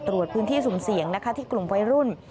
ตรวจพื้นที่สุ่มเสี่ยงนะคะที่กลุ่มวัยรุ่น